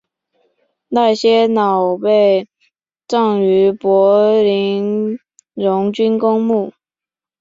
赖歇瑙被葬于柏林荣军公墓。